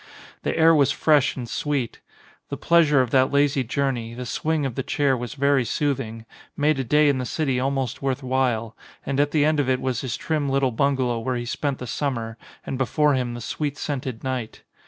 The air was fresh and sweet. The pleasure of that lazy journey — the swing of the chair was very soothing — made a day in the city almost worth while ; and at the end of it was his trim little bun galow where he spent the summer, and before him the sweet scented night.